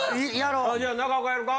じゃあ中岡やろうか？